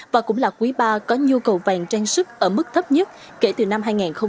và cũng là quý iii có nhu cầu vàng trang sức ở mức thấp nhất kể từ năm hai nghìn hai mươi một